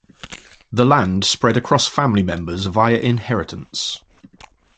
The land spread across family members via inheritance.